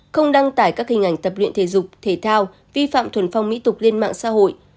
không đăng tải các hình ảnh tập luyện thể dục thể thao vi phạm thuần phong mỹ tục lên mạng xã hội